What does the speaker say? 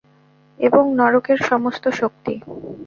এবং নরকের সমস্ত শক্তি।